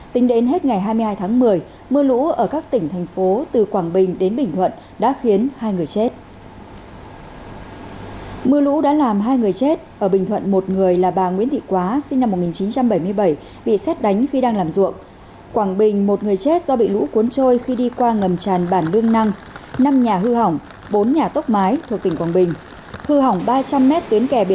tính đến hết ngày hai mươi hai tháng một mươi mưa lũ ở các tỉnh thành phố từ quảng bình đến bình thuận đã khiến hai người chết